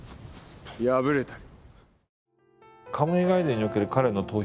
破れたり。